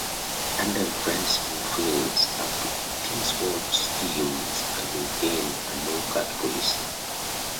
Tandem Friends School fields up to eighteen sports teams and maintains a no-cut policy.